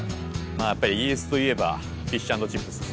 やっぱりイギリスといえばフィッシュ＆チップスですね。